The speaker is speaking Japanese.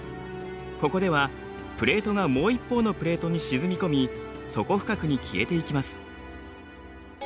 ここではプレートがもう一方のプレートに沈み込み底深くに消えていきます。